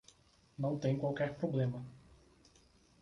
Não tem qualquer problema.